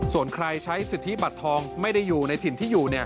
ส่วนใครใช้สิทธิบัตรทองไม่ได้อยู่ในถิ่นที่อยู่